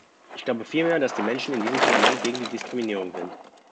Ich glaube vielmehr, dass die Menschen in diesem Parlament gegen die Diskriminierung sind.